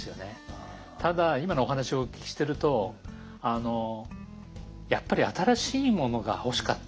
ただ今のお話をお聞きしてるとあのやっぱり新しいものが欲しかった。